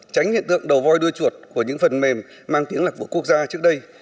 tránh hiện tượng đầu voi đuôi chuột của những phần mềm mang tiếng lạc của quốc gia trước đây